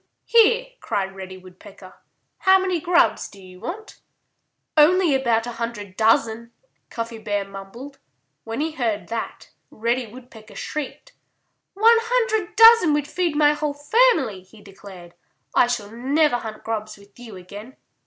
"Here!" cried Reddy Woodpecker. "How many grubs do you want?" "Only about a hundred dozen!" Cuffy Bear mumbled. When he heard that, Reddy Woodpecker shrieked. "One hundred dozen would feed my whole family," he declared. "I shall never hunt grubs with you again."